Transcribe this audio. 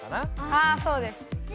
ああそうです。